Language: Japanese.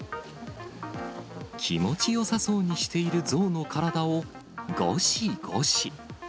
気持ちよさそうにしているゾウの体を、ごしごし。